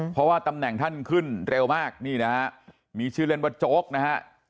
เพราะว่าตำแหน่งท่านขึ้นเร็วมากนี่นะฮะมีชื่อเล่นว่าโจ๊กนะฮะ